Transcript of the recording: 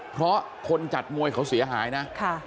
เพราะคนจัดมวยเขาเสียหายนะ